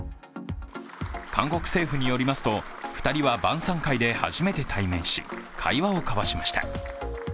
韓国政府によりますと、２人は晩さん会で初めて対面し会話を交わしました。